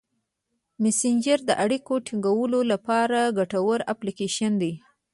مسېنجر د اړیکو ټینګولو لپاره ګټور اپلیکیشن دی.